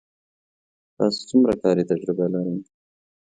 تاسو څومره کاري تجربه لرئ